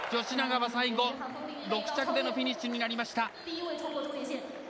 吉永は最後６着でのフィニッシュになりました。